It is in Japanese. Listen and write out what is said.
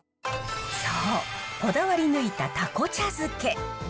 そうこだわり抜いたタコ茶漬け。